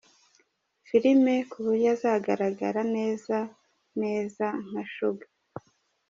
filime kuburyo azagaragara neza neza nka Sugar.